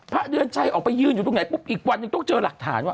พระเดือนชัยออกไปยืนอยู่ตรงไหนปุ๊บอีกวันหนึ่งต้องเจอหลักฐานว่า